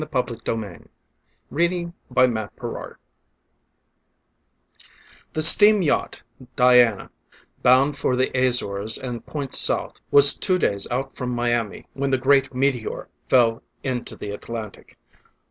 Parkinson's story follows: CHAPTER II The steam yacht, Diana, bound for the Azores and points south, was two days out from Miami when the great meteor fell into the Atlantic.